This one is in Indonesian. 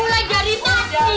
udah mulai dari tadi bok